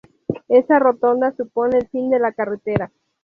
Esa rotonda supone el fin de la carretera.